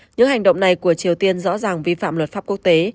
những hành động này của triều tiên rõ ràng vi phạm luật pháp quốc tế